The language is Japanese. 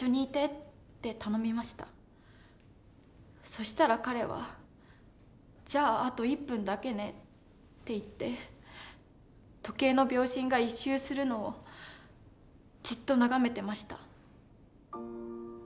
そしたら彼は「じゃああと１分だけね」って言って時計の秒針が１周するのをじっと眺めてました。